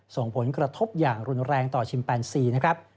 ส่งผลกระทบอย่างรุนแรงต่อชิมแปนซีนะครับ